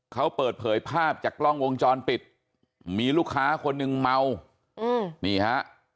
เขาเปิดเผยภาพจากกล้องวงจรปิดมีลูกค้าคนหนึ่งเมาอืมนี่ฮะ